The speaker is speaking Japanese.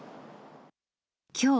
きょう、